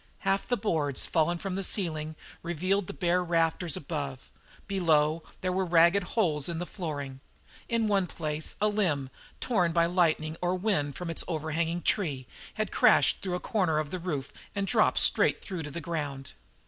Half the boards, fallen from the ceiling, revealed the bare rafters above; below there were ragged holes in the flooring. In one place a limb, torn by lightning or wind from its overhanging tree, had crashed through the corner of the roof and dropped straight through to the ground.